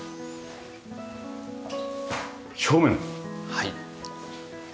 はい。